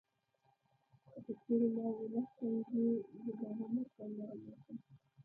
خو که چیرې ما ونه ښکنځي زه به هم ورته نرم اوسم.